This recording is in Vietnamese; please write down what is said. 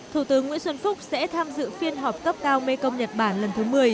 thủ tướng nguyễn xuân phúc sẽ tham dự phiên họp cấp cao mekong nhật bản lần thứ một mươi